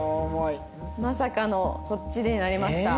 まさかのこっちになりました。